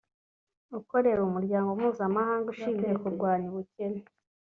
ukorera umuryango mpuzamahanga ushinzwe kurwanya ubukene